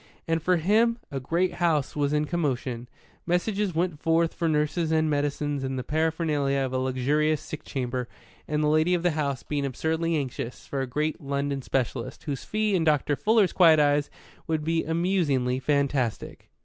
And for him a great house was in commotion. Messages went forth for nurses and medicines and the paraphernalia of a luxurious sick chamber, and the lady of the house being absurdly anxious for a great London specialist, whose fee, in Dr. Fuller's quiet eyes, would be amusingly fantastic.